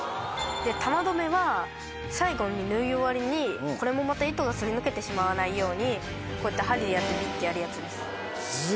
玉どめは最後に縫い終わりにこれもまた糸がすり抜けてしまわないようにこうやって針でやってビッてやるやつです。